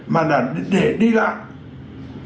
mà đã để đi lại